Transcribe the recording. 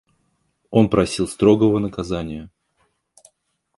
Он просил строгого наказания.